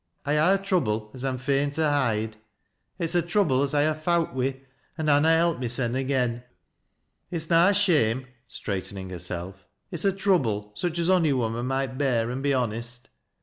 I ha' a trouble as I'm fain to hide ; it's a trouble as I ha' fowt wi' an' ha' na helped mysen agen. It's na a shame,'' straightening herself; "it's a trouble such as ony woman might bear an' be honest.